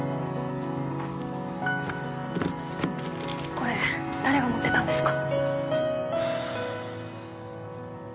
これ誰が持ってたんですか？